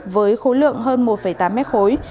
với khối lượng hơn một tám mét khối